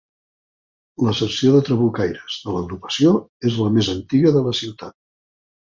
La secció de trabucaires de l’agrupació és la més antiga de la ciutat.